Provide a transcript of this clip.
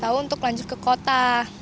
kasih tau untuk lanjut ke kota